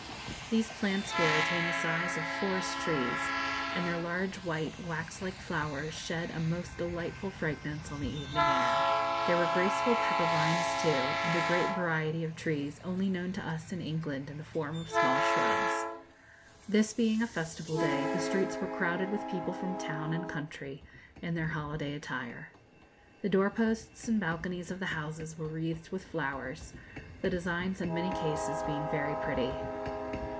These plants here attain the size of forest trees, and their large white wax like flowers shed a most delightful fragrance on the evening air. There were graceful pepper vines too, and a great variety of trees only known to us in England in the form of small shrubs. This being a festival day, the streets were crowded with people from town and country, in their holiday attire. The door posts and balconies of the houses were wreathed with flowers, the designs in many cases being very pretty.